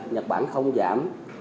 nhật bản không giảm